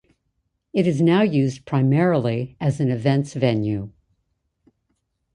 It is now used primarily as an events venue.